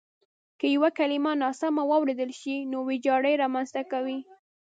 که یوه کلیمه ناسمه واورېدل شي نو وېجاړی رامنځته کوي.